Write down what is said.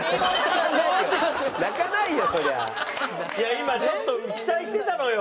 今ちょっと期待してたのよ。